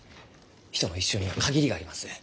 人の一生には限りがあります。